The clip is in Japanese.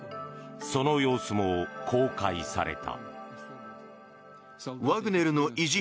その様子も公開された。